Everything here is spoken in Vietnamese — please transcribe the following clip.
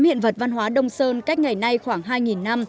tám hiện vật văn hóa đông sơn cách ngày nay khoảng hai năm